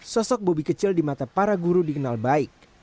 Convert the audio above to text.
sosok bobi kecil di mata para guru dikenal baik